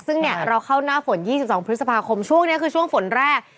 ซึ่งเนี่ยเราเข้าหน้าฝน๒๒พฤษภาคมช่วงนี้คือช่วงฝนแรก